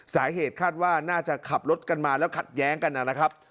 สาเหตุคาดว่าน่าจะขับรถกันมาแล้วขัดแย้งกันนะครับ